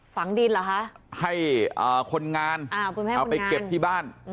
ฝังดินเหรอคะให้คนงานเอาไปเก็บที่บ้าน